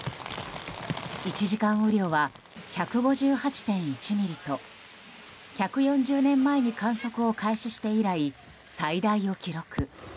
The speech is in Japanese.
１時間雨量は１５８．１ミリと１４０年前に観測を開始して以来最大を記録。